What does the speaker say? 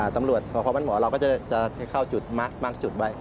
ตำรวจพอบ้านหมอเราก็จะเข้าจุดมาร์คมาร์คจุดไว้